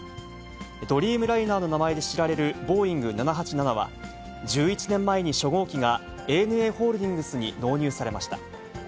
ドリームライナーの名前で知られるボーイング７８７は、１１年前に初号機がＡＮＡホールディングスに納入されました。